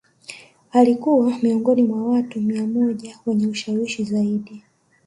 Alikua miongoni mwa watu mia moja wenye ushawishi zaidi